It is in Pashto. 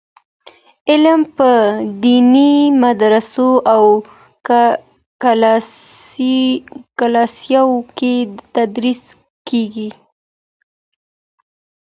علم په ديني مدرسو او کليساوو کي تدريس کيده.